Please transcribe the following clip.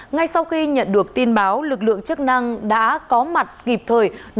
ngay sau khi nhận được tin báo lực lượng chức năng đã có mặt kịp thời